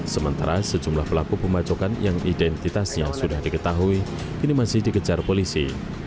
sementara sejumlah pelaku pemacokan yang identitasnya sudah diketahui kini masih dikejar polisi